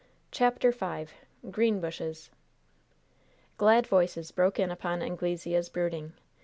CHAPTER V GREENBUSHES Glad voices broke in upon Anglesea's brooding.